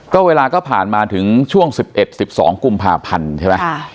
ก็เวลาก็ผ่านมาถึงช่วง๑๑๑๒กุมภาพันธ์ใช่ไหม